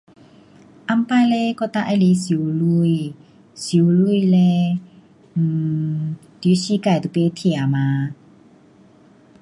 以前嘞我最喜欢游泳，游泳嘞，um 你的膝盖就不痛嘛。